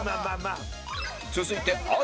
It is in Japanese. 続いて淳